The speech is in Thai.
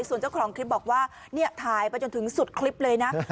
ส่วนเจ้าของคลิปบอกว่าเนี่ยถ่ายไปจนถึงสุดคลิปเลยนะ